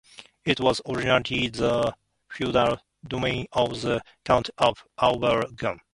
It was originally the feudal domain of the Counts of Auvergne.